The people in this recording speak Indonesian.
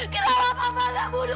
kenapa papa gak bunuh riri